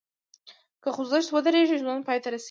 که خوځښت ودریږي، ژوند پای ته رسېږي.